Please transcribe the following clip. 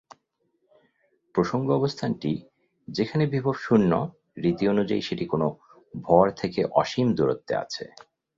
প্রসঙ্গ অবস্থানটি, যেখানে বিভব শূন্য, রীতি অনুযায়ী সেটি কোনও ভর থেকে অসীম দূরত্বে আছে।